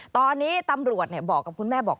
ตอนนี้ตำรวจบอกกับคุณแม่บอก